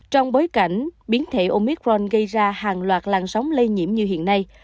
trong bối cảnh biến thể omicron gây ra hàng loạt làn sóng lây nhiễm như hiện nay